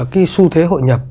cái xu thế hội nhập